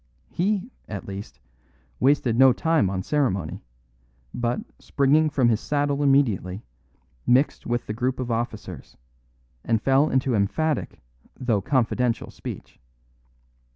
He, at least, wasted no time on ceremony, but, springing from the saddle immediately, mixed with the group of officers, and fell into emphatic though confidential speech.